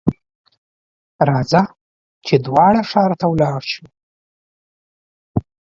راځه ! چې دواړه ښار ته ولاړ شو.